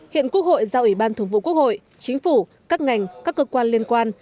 hiện quốc hội giao ủy ban thường vụ quốc hội chính phủ các ngành các cơ quan liên quan